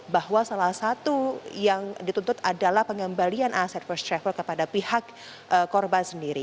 bahwa salah satu yang dituntut adalah pengembalian aset first travel kepada pihak korban sendiri